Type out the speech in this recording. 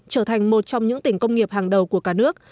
trở thành một trong những tỉnh công nghiệp hàng đầu của cả nước